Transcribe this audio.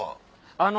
あの。